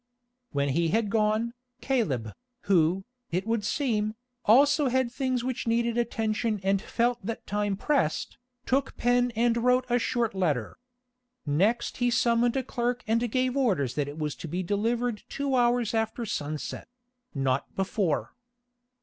When he had gone, Caleb, who, it would seem, also had things which needed attention and felt that time pressed, took pen and wrote a short letter. Next he summoned a clerk and gave orders that it was to be delivered two hours after sunset—not before.